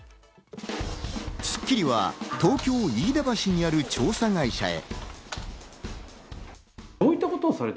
『スッキリ』は東京・飯田橋にある調査会社へ。